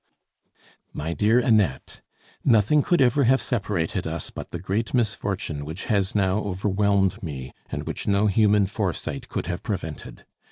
My dear Annette, Nothing could ever have separated us but the great misfortune which has now overwhelmed me, and which no human foresight could have prevented.